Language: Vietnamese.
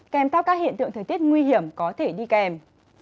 kèm theo các hiện tượng thời tiết nguy hiểm có thể đi kèm